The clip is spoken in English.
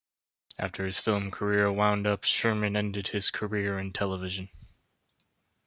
After his film career wound up, Sherman ended his career in television.